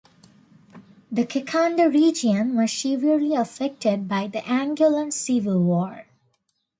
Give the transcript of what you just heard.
The Caconda region was severely affected by the Angolan Civil War.